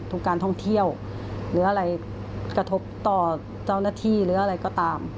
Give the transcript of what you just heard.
การท่องเที่ยวหรืออะไรกระทบต่อเจ้าหน้าที่หรืออะไรก็ตาม